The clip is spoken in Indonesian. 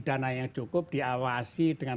dana yang cukup diawasi dengan